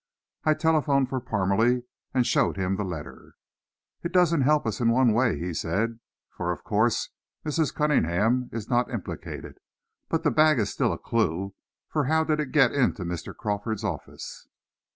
I telephoned for Parmalee and showed him the letter. "It doesn't help us in one way," he said, "for of course, Mrs. Cunningham is not implicated. But the bag is still a clue, for how did it get into Mr. Crawford's office?"